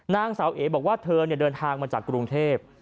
นางสาวเอ๋บอกว่าเธอเดินทางมาจากกรุงเทพ